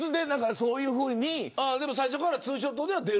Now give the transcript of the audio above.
最初からツーショットでは出る。